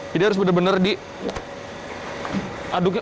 jadi harus benar benar diaduknya